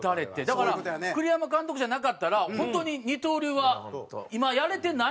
だから栗山監督じゃなかったら本当に二刀流は今やれてないかもしれないですね。